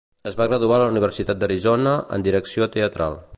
Es va graduar a la Universitat d'Arizona, en direcció teatral.